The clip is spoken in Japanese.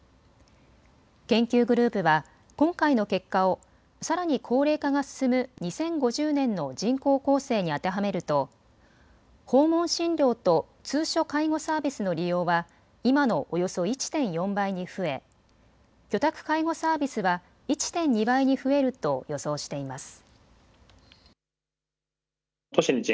研究グループは今回の結果をさらに高齢化が進む２０５０年の人口構成に当てはめると訪問診療と通所介護サービスの利用は今のおよそ１．４倍に増え居宅介護サービスは１．２倍に増えると予想しています。